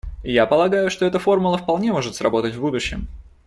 Я полагаю, что эта формула вполне может сработать в будущем.